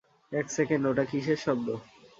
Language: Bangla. এক সেকেন্ড, ওটা কিসের শব্দ?